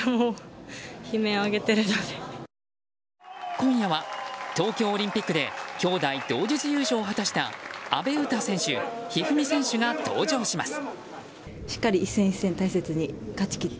今夜は東京オリンピックで兄妹同日優勝を果たした阿部詩選手、一二三選手が登場します。